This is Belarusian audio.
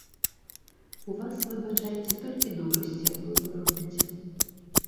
У вас, выбачайце, толькі дурасць, якую вы робіце.